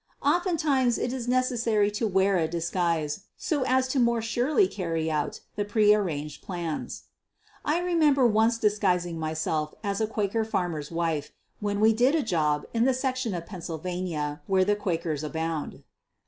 Often times it is necessary to wear a disguise so as to more surely carry out the prearranged plans. I remember once disguising myself as a Quaker farmer's wife when we did a job in the section of Pennsylvania where the Quakers abound.